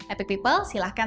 epic people silahkan